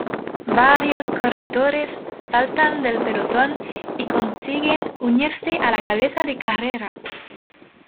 Varios corredores saltan del pelotón y consiguen unirse a la cabeza de carrera.